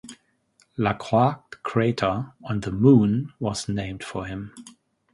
Lacroix crater on the Moon was named for him.